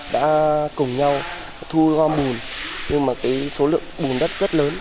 đã cùng nhau thu gom bùn nhưng mà cái số lượng bùn đất rất lớn